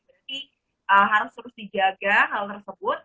jadi harus terus dijaga hal tersebut